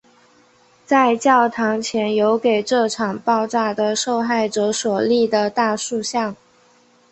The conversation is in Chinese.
在教堂前有给这场爆炸的受害者所立的大塑像。